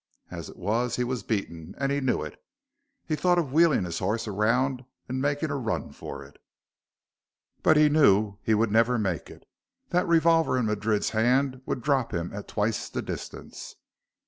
As it was, he was beaten, and he knew it. He thought of wheeling his horse around and making a run for it. But he knew he would never make it. That revolver in Madrid's hand would drop him at twice the distance.